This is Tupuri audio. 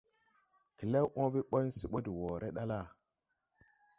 Klɛw õõbe ɓɔn se de wɔɔre ɗa la,